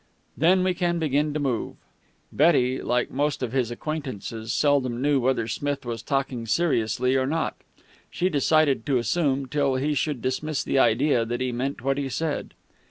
Then we can begin to move." Betty, like most of his acquaintances, seldom knew whether Smith was talking seriously or not. She decided to assume, till he should dismiss the idea, that he meant what he said.